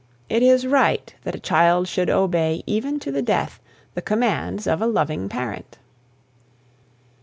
It is right that a child should obey even to the death the commands of a loving parent.